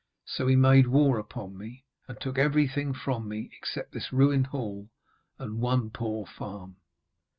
So he made war upon me, and took everything from me except this ruined hall and one poor farm.'